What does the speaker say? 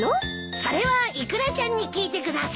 それはイクラちゃんに聞いてください。